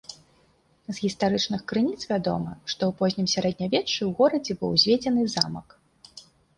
З гістарычных крыніц вядома, што ў познім сярэднявеччы ў горадзе быў узведзены замак.